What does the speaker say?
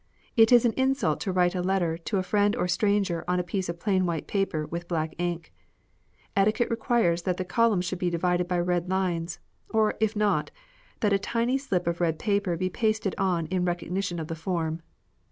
It is an insult to write a letter to a friend or stranger on a piece of plain white paper with black ink. Etiquette requires that the columns should be divided by red lines ; or, if not, that a tiny slip of red paper be pasted on in recognition of the form.